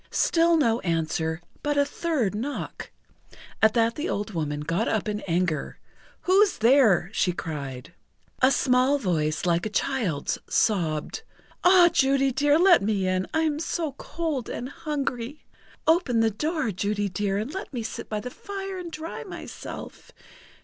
Still no answer, but a third knock. At that the old woman got up in anger. "Who's there?" she cried. A small voice, like a child's, sobbed: "Ah, Judy dear, let me in! I am so cold and hungry! Open the door, Judy dear, and let me sit by the fire and dry myself!